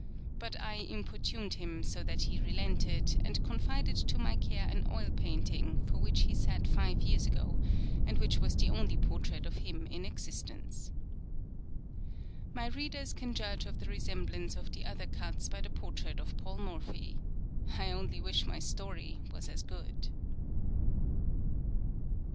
But I importuned him so that he relented, and confided to my care an oil painting, for which he sat five years ago, and which was the only portrait of him in existence. My readers can judge of the resemblance of the other cuts by the portrait of Paul Morphy. I only wish my story was as good.